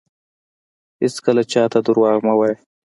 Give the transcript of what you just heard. هیڅکله چاته درواغ مه وایه